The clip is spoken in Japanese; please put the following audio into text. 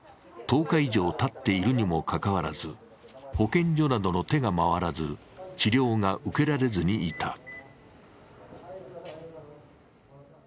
１０日以上たっているにもかかわらず、保健所などの手が回らず治療が受けられずにいた。